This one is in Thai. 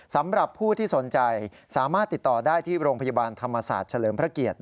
สำหรับผู้ที่สนใจสามารถติดต่อได้ที่โรงพยาบาลธรรมศาสตร์เฉลิมพระเกียรติ